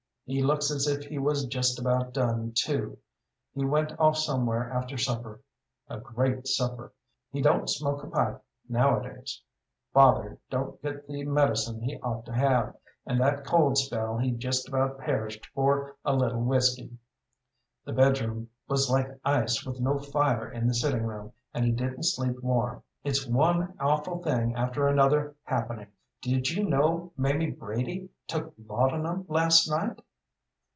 He looks as if he was just about done, too. He went off somewhere after supper. A great supper! He don't smoke a pipe nowadays. Father don't get the medicine he ought to have, and that cold spell he just about perished for a little whiskey. The bedroom was like ice with no fire in the sitting room, and he didn't sleep warm. It's one awful thing after another happening. Did you know Mamie Brady took laudanum last night?"